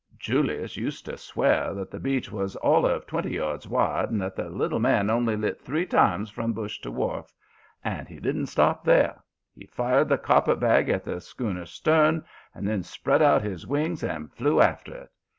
"Julius used to swear that that beach was all of twenty yards wide and that the little man only lit three times from bush to wharf. And he didn't stop there. He fired the carpetbag at the schooner's stern and then spread out his wings and flew after it.